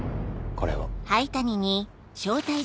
これを。